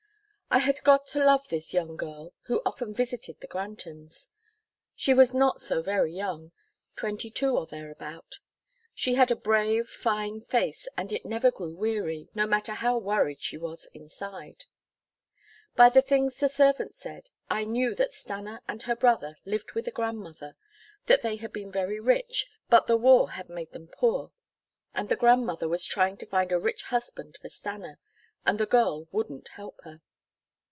I had got to love this young girl who often visited the Grantons. She was not so very young twenty two or thereabout. She had a brave, fine face, and it never grew weary, no matter how worried she was inside. By things the servants said, I knew that Stanna and her brother lived with a grandmother, that they had been very rich, but the war had made them poor, and the grandmother was trying to find a rich husband for Stanna, and the girl wouldn't help her.